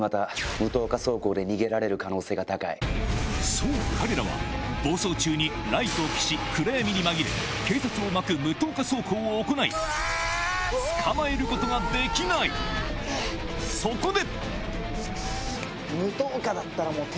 そう彼らは暴走中にライトを消し暗闇に紛れ警察をまく無灯火走行を行い捕まえることができないそこで！